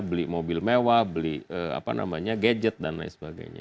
beli mobil mewah beli gadget dan lain sebagainya